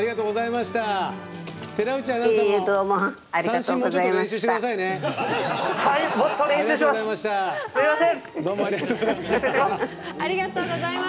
すいません！